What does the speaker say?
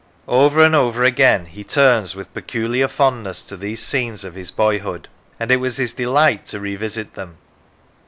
Over and over again he turns with peculiar fondness to these scenes of his boyhood, and it was his delight to revisit them.